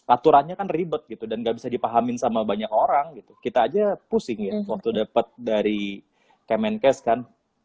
aturannya kan ribet gitu dan gak bisa dipahamin sama banyak orang gitu kita aja pusing ya waktu dapet dari kemenkes kan